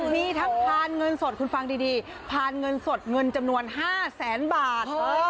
มีทั้งพานเงินสดคุณฟังดีพานเงินสดเงินจำนวน๕แสนบาท